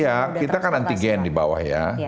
ya kita kan antigen di bawah ya